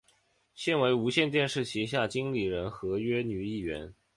现为无线电视旗下经理人合约女艺员。